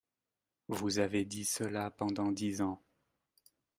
Vous avez dit cela pendant dix ans